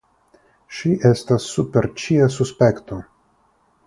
Ŝi estas super ĉia suspekto.